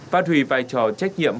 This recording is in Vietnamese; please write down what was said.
và thủy vai trò trách nhiệm